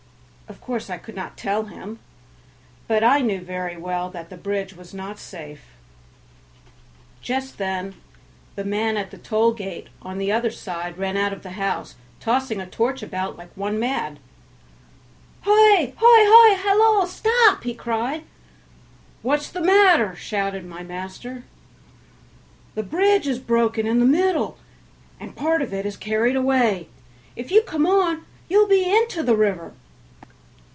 Of course I could not tell him, but I knew very well that the bridge was not safe. Just then the man at the toll gate on the other side ran out of the house, tossing a torch about like one mad. "Hoy, hoy, hoy! halloo! stop!" he cried. "What's the matter?" shouted my master. "The bridge is broken in the middle, and part of it is carried away; if you come on you'll be into the river."